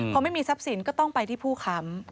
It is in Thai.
พอไม่มีทรัพย์สินก็ต้องไปที่ผู้ค้ำ